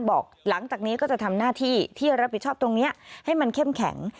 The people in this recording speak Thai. หลังจากนี้ก็จะทำหน้าที่ที่รับผิดชอบตรงนี้ให้มันเข้มแข็ง